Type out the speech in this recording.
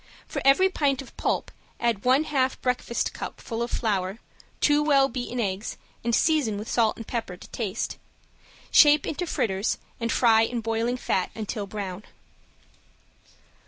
For every pint of pulp, add one half breakfast cup full of flour, two well beaten eggs, and season with salt and pepper to taste. Shape into fritters and fry in boiling fat until brown.